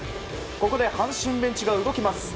ここで阪神ベンチが動きます。